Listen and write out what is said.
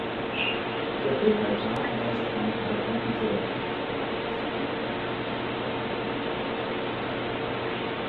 Der Hochaltar weist einen halbrunden Säulenaufbau auf.